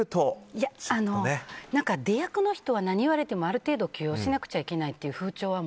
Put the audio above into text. いや、出役の人は何言われてもある程度我慢しなくちゃいけない風潮は